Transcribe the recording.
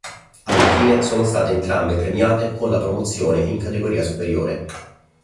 Alla fine sono state entrambe premiate con la promozione in categoria superiore.